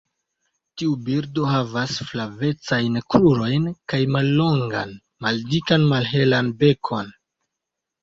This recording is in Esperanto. Tiu birdo havas flavecajn krurojn kaj mallongan maldikan malhelan bekon.